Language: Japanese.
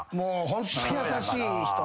ホント優しい人ね。